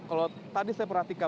kalau tadi saya perhatikan